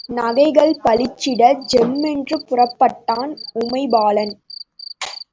நகைகள் பளிச்சிட ஜம்மென்று புறப்பட்டான் உமைபாலன்.